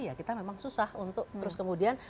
ya kita memang susah untuk terus kemudian